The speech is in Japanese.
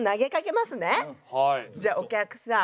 じゃあお客さん